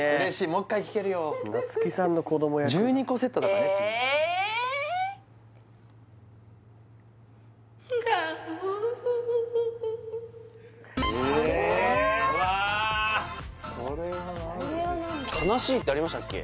もう一回聞けるよ夏木さんの子ども役１２個セットだからね次ええっわあ悲しいってありましたっけ？